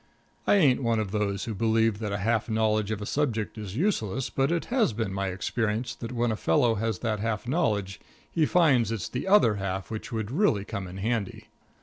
I ain't one of those who believe that a half knowledge of a subject is useless, but it has been my experience that when a fellow has that half knowledge he finds it's the other half which would really come in handy.